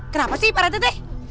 kenapa sih pak rt teh